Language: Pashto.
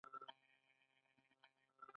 محمود هوډیال دمیرویس نیکه پوهنتون غوره محصل دی